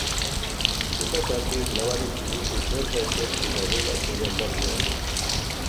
Zenbat aldiz nabaritu duzu zerbait gaizki dagoela zure aldartean?